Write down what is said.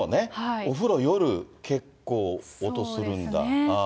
お風呂、夜結構、音するんだ。